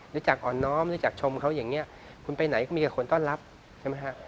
รู้จักอ่อนน้อมรู้จักชมเขาอย่างนี้คุณไปไหนก็มีแต่คนต้อนรับใช่ไหมฮะ